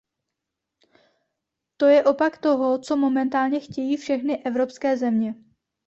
To je opak toho, co momentálně chtějí všechny evropské země.